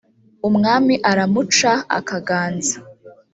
umwami aramuca akaganza